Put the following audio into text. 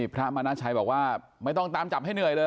พระมณชัยบอกว่าไม่ต้องตามจับให้เหนื่อยเลย